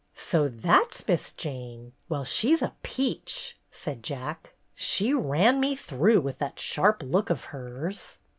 "So that's Miss Jane! Well, she's a peach!" said Jack. "She ran me through with that sharp look of hers."